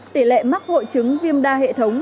tỷ lệ mắc hội chứng viêm đa hệ thống